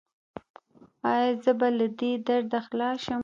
ایا زه به له دې درده خلاص شم؟